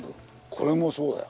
これもそうだよ。